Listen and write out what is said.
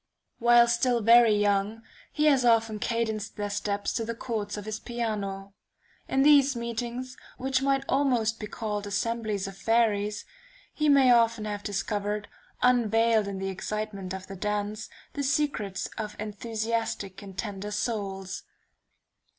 While still very young, he has often cadenced their steps to the chords of his piano. In these meetings, which might almost be called assemblies of fairies, he may often have discovered, unveiled in the excitement of the dance, the secrets of enthusiastic and tender souls.